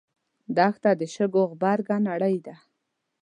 دښته د شګو غبرګه نړۍ ده.